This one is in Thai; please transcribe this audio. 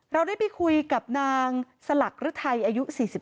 เราได้ไปคุยกับนางศลัใรยไทรอายุ๔๙